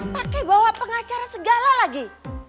pakai bawa pengacara segala lagi